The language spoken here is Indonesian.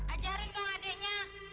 ajarin dong adiknya